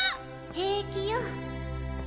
平気よ。